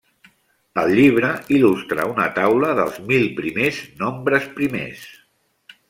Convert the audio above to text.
El llibre il·lustra una taula dels mil primers nombres primers.